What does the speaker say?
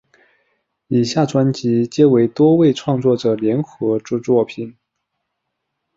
以下专辑皆为多位创作者联合之作品。